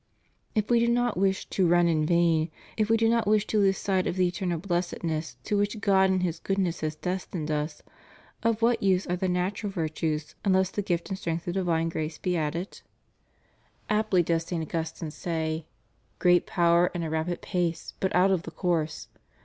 If we do not wish to run in vain, if we do not wish to lose sight of the eternal blessedness to which God in His goodness has destined us, of what use are the natural virtues unless the gift and strength of divine grace be added? Aptly does St. Augustine say: "Great power, and a rapid pace, but out of the course."